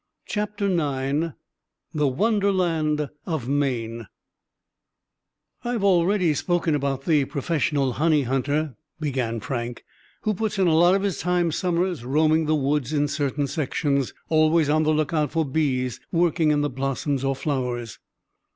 CHAPTER IX THE WONDERLAND OF MAINE "I've already spoken about the professional honey hunter," began Frank, "who puts in a lot of his time summers roaming the woods in certain sections, always on the lookout for bees working in the blossoms or flowers."